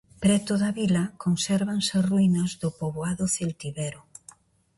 Preto da vila consérvanse as ruínas do poboado celtibero.